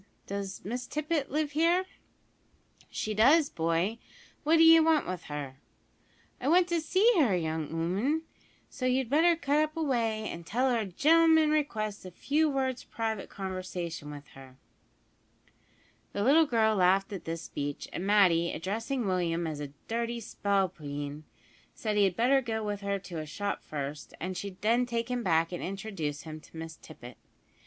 Does Miss Tippet live here?" "She does, boy, what d'ye want with her?" "I want to see her, young 'ooman, so you'd better cut away up an' tell her a gen'lm'n requests a few words private conversation with her." The little girl laughed at this speech, and Matty, addressing Willie as a "dirty spalpeen," said he had better go with her to a shop first, and she'd then take him back and introduce him to Miss Tippet.